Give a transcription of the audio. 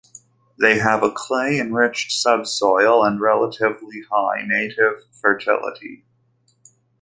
They have a clay-enriched subsoil and relatively high native fertility.